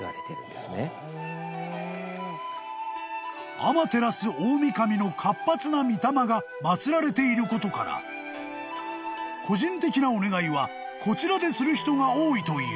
［天照大御神の活発なみ霊が祭られていることから個人的なお願いはこちらでする人が多いという］